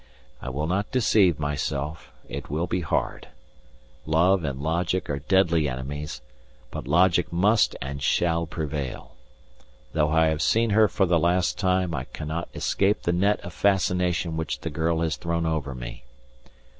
I will not deceive myself: it will be hard. Love and Logic are deadly enemies, but Logic must and shall prevail. Though I have seen her for the last time, I cannot escape the net of fascination which the girl has thrown over me.